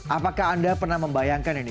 apakah anda pernah membayangkan ini